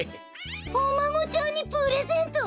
おまごちゃんにプレゼント？